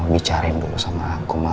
bicarain dulu sama aku ma